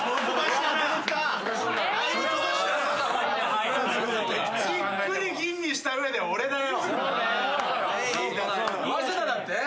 じっくり吟味した上で俺だよ。